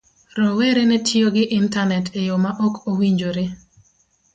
Rowere ne tiyo gi Intanet e yo ma ok owinjore.